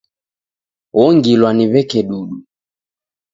Ongilwa ni w'eke dudu.